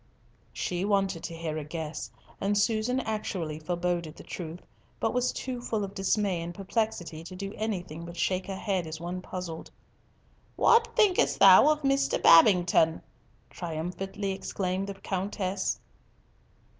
She wanted to hear a guess, and Susan actually foreboded the truth, but was too full of dismay and perplexity to do anything but shake her head as one puzzled. "What think'st thou of Mr. Babington?" triumphantly exclaimed the Countess.